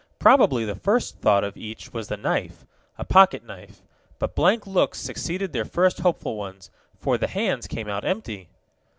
Probably the first thought of each one was a knife a pocket knife. But blank looks succeeded their first hopeful ones, for the hands came out empty.